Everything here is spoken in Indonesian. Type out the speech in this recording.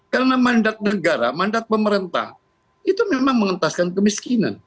karena mandat negara mandat pemerintah itu memang mengentaskan kemiskinan